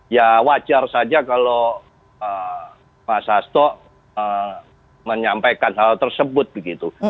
ya wajar saja kalau mas hasto menyampaikan hal tersebut begitu